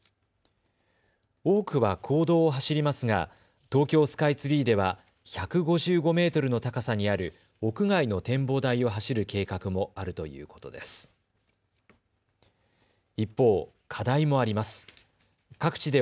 多くは公道を走りますが、東京スカイツリーでは１５５メートルの高さにある屋外の展望台を走る計画もあるということです。